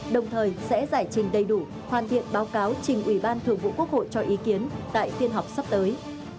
đồng thời sẽ giải trình đầy đủ hoàn thiện báo cáo trình ủy ban thường vụ quốc hội cho ý kiến tại phiên họp sắp tới